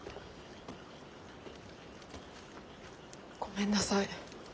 ごめんなさい。